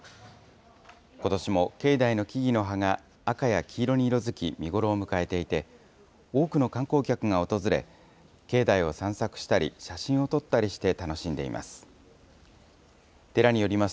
ことしも境内の木々の葉が赤や黄色に色づき見頃を迎えていて、多くの観光客が訪れ、境内を散策したり、写真を撮ったりして楽しんでいます。